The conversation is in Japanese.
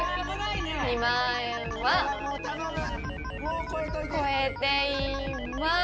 ２万円は超えています！